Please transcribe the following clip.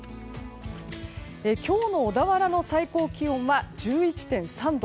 今日の小田原の最高気温は１１．３度。